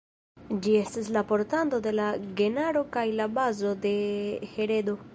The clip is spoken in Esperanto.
Ĝi estas la portanto de la genaro kaj la bazo de heredo.